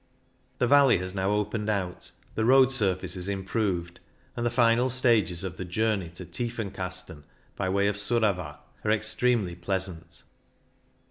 The valley has now opened out, the road surface is improved, and the final stages of the journey to Tiefenkasten, by way of Surava, are extremely pleasant.